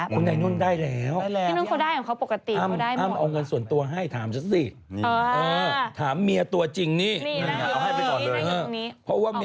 คุณแนนุ้นได้แล้วได้แล้วนุ้นเขาได้อย่างปกติ